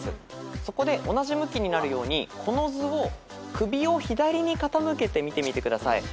そこで同じ向きになるようにこの図を首を左に傾けて見てみてください。